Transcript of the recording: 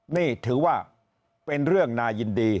นี่ถือว่าเป็นเรื่องน่ายินดี